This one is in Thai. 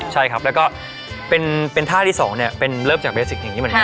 ใช่ครับแล้วก็เป็นเป็นท่าที่สองเนี้ยเป็นเลิฟจากเบสิกอย่างงี้เหมือนกัน